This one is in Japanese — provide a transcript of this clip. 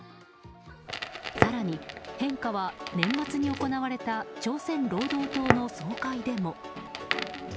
更に変化は年末に行われた朝鮮労働党の総会でも。